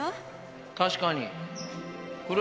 確かに。